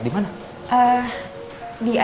temen kamu dirawat dimana